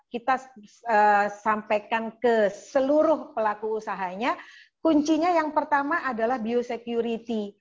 kita sampaikan ke seluruh pelaku usahanya kuncinya yang pertama adalah biosecurity